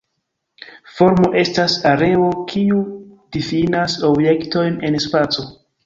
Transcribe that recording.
Formo estas areo, kiu difinas objektojn en spaco.